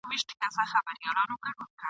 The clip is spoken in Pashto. له جهانه پټي سترګي تر خپل ګوره پوري تللای ..